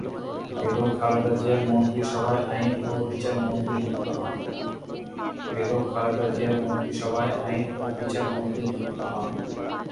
বেগম খালেদা জিয়ার মন্ত্রিসভায় আইন ও বিচার মন্ত্রী নিযুক্ত হন।